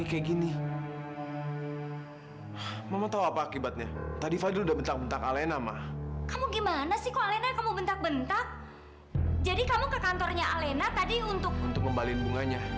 sampai jumpa di video selanjutnya